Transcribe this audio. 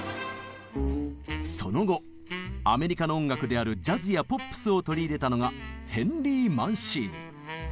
その後アメリカの音楽であるジャズやポップスを取り入れたのがヘンリー・マンシーニ。